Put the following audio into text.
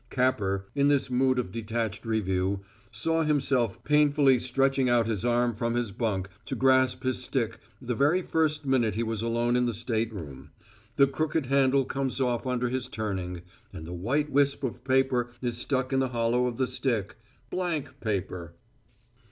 Capper, in this mood of detached review, saw himself painfully stretching out his arm from his bunk to grasp his stick the very first minute he was alone in the stateroom; the crooked handle comes off under his turning, and the white wisp of paper is stuck in the hollow of the stick. Blank paper!